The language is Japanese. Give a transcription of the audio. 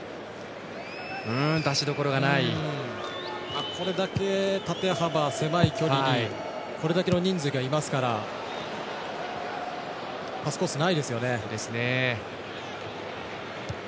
これだけ縦幅、狭い距離にこれだけの人数がいますからパスコースないですよね。